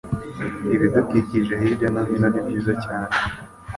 Ibidukikije hirya no hino ni byiza cyane .